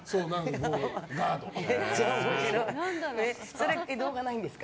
それ、動画ないんですか？